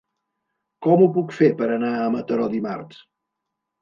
Com ho puc fer per anar a Mataró dimarts?